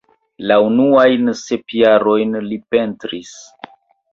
La unuajn sep jarojn li pentris.